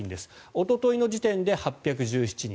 おとといの時点で８１７人